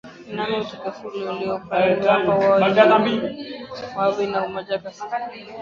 Nami utukufu ule ulionipa nimewapa wao ili wawe na umoja kama sisi tulivyo umoja